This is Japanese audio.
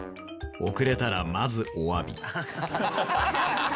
遅れたらまずおわび。